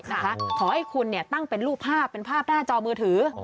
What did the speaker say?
ขอให้คุณเนี่ยตั้งเป็นรูปภาพเป็นภาพหน้าจอมือถือ